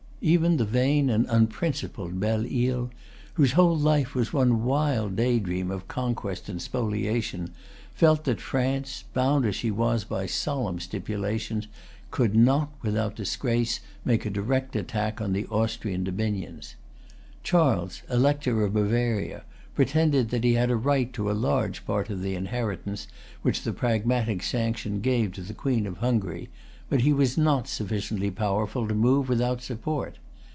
Even the vain and unprincipled Belle Isle, whose whole life was one wild day dream of conquest and spoliation, felt that France, bound as she was by solemn stipulations, could not, without disgrace, make a direct attack on the Austrian dominions. Charles, Elector of Bavaria, pretended that he had a right to a large part of the inheritance which the Pragmatic Sanction gave to the Queen of Hungary; but he was not sufficiently powerful to move without support.